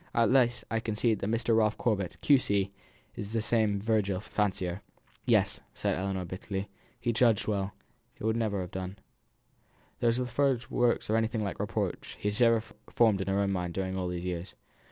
At least I conclude that Mr. Ralph Corbet, Q.C., is the same as the Virgil fancier." "Yes," said Ellinor, bitterly; "he judged well; it would never have done." They were the first words of anything like reproach which she ever formed in her own mind during all these years.